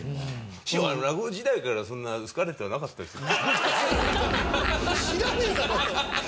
師匠は落語時代からそんな好かれてはなかったですよ。